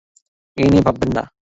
এ নিয়ে ভাববেন না।